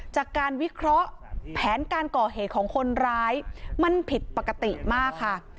จากการวิเคราะห์แผนการก่อเหตุของคนร้ายมันผิดปกติมากค่ะ